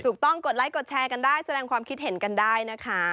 กดไลค์กดแชร์กันได้แสดงความคิดเห็นกันได้นะคะ